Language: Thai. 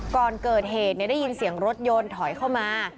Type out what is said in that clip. ก่อนเกิดเหตุได้ยินเสียงรถยนต์ถอยเข้ามา